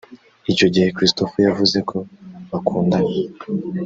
Icyo gihe Christopher yavuze ko bakundana